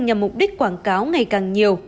nhằm mục đích quảng cáo ngày càng nhiều